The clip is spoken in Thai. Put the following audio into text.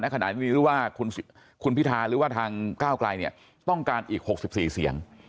นักขนาดนี้หรือว่าคุณพิทาหรือว่าทางก้าวกลายเนี่ยต้องการอีก๖๔เสียง